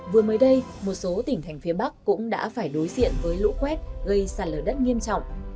vừa mới đây một số tỉnh thành phía bắc cũng đã phải đối diện với lũ quét gây sạt lở đất nghiêm trọng